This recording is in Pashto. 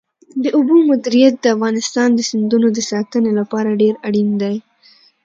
د اوبو مدیریت د افغانستان د سیندونو د ساتنې لپاره ډېر اړین دی.